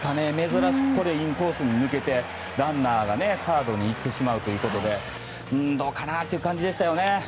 珍しくインコースに抜けてランナーがサードに行ってしまうということでどうかなっていう感じでしたよね。